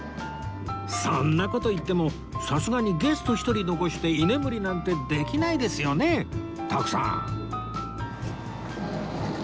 そんな事言ってもさすがにゲスト１人残して居眠りなんてできないですよね徳さん